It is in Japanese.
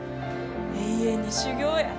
永遠に修業や。